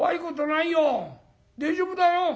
大丈夫だよ。